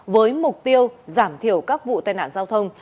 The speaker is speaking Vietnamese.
với mục tiêu giảm thiểu các vụ tai nạn giao thông